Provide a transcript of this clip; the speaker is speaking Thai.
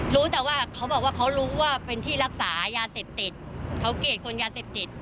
รู้แต่ว่าเขาบอกว่าเขารู้ว่าเป็นที่รักษายาเสพติดเขาเกรดคนยาเสพติด